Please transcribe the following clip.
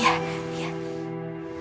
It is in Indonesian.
kalau kau mau bimbing aku